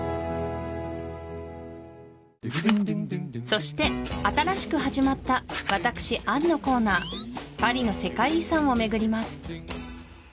そして新しく始まった私杏のコーナーパリの世界遺産を巡ります